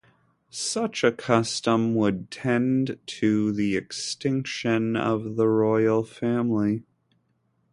Such a custom would tend to the extinction of the royal family.